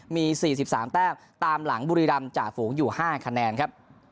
มีสี่สิบสามแน่มตามหลังบุรีรัมศ์จ่าฝูงอยู่ห้าคะแนนครับ